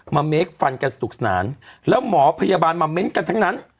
เมคฟันกันสนุกสนานแล้วหมอพยาบาลมาเม้นต์กันทั้งนั้น